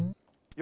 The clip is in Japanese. よ